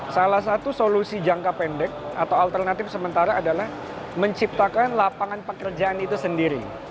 salah satu solusi jangka pendek atau alternatif sementara adalah menciptakan lapangan pekerjaan itu sendiri